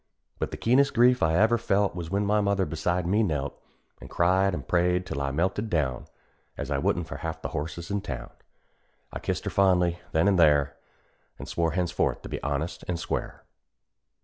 But the keenest grief I ever felt Was when my mother beside me knelt, An' cried an' prayed, till I melted down, As I wouldn't for half the horses in town. I kissed her fondly, then an' there, An' swore henceforth to be honest and square.